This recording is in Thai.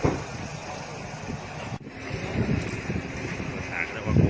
ถ้าไม่ได้ขออนุญาตมันคือจะมีโทษ